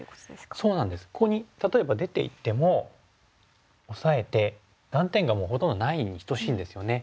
ここに例えば出ていってもオサえて断点がもうほとんどないに等しいんですよね。